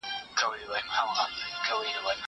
هغه وويل چي بوټونه پاک ساتل مهم دي!